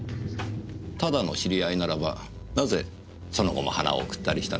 ただの知り合いならばなぜその後も花を贈ったりしたのでしょう。